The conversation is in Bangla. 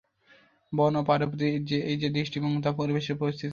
বন ও পাহাড়ের প্রতি এই যে দৃষ্টিভঙ্গি তা পরিবেশ পরিস্থিতিকে বিপন্ন করেছে।